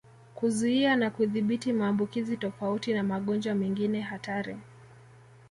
"Kuzuia na kudhibiti maambukizi tofauti na magonjwa mengine hatari"